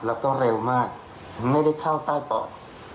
แล้วก็เร็วมากไม่ได้เข้าใต้ปอด